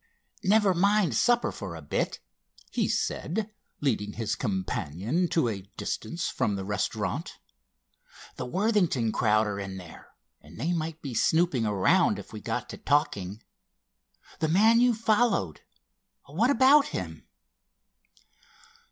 "Never mind supper for a bit," he said, leading his companion to a distance from the restaurant. "The Worthington crowd are in there and they might be snooping around if we got to talking. The man you followed—what about him?"